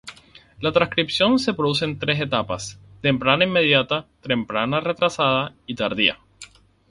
La transcripción se produce en tres etapas; temprana-inmediata, temprana-retrasada y tardía.